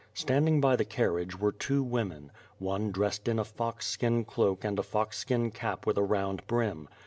Standing by the carriage were two women: one dressed in a fox skin cloak and a fox skin cap with a round brim.